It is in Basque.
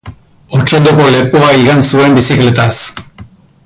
Otsondoko lepoa igan zuen bizikletaz.